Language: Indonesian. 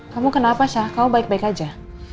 kamu kenapa syah kau baik baik aja